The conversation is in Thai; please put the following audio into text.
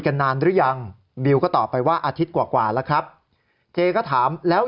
กันนานหรือยังบิวก็ตอบไปว่าอาทิตย์กว่าแล้วครับเจก็ถามแล้ว